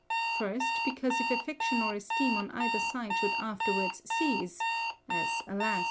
First, because if affection or esteem on either side should afterwards cease (as, alas!